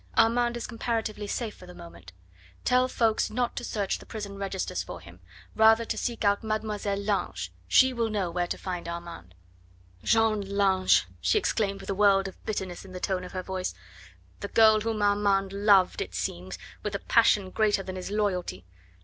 Armand is comparatively safe for the moment. Tell Ffoulkes not to search the prison registers for him, rather to seek out Mademoiselle Lange. She will know where to find Armand." "Jeanne Lange!" she exclaimed with a world of bitterness in the tone of her voice, "the girl whom Armand loved, it seems, with a passion greater than his loyalty.